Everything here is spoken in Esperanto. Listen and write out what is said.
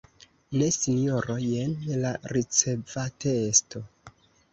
Ne Sinjoro, jen la ricevatesto.